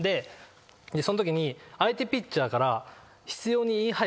そのときに相手ピッチャーから。